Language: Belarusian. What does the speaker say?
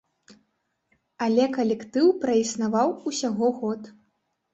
Але калектыў праіснаваў усяго год.